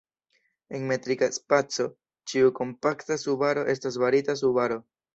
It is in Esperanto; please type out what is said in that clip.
En metrika spaco, ĉiu kompakta subaro estas barita subaro.